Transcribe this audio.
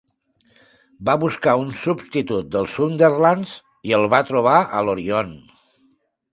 Va buscar un substitut dels Sunderlands i el va trobar a l'Orion.